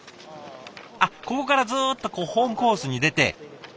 あっここからズーッと本コースに出て。